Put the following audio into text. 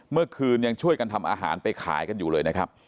เมื่อคืนยังช่วยกันทำอาหารไปขายกันอยู่เลยนะครับ